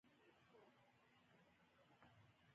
یا د نورو ډلو همدردۍ جذبولو سره ده.